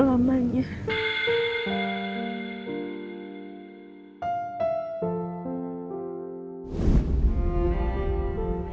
siapa yang salah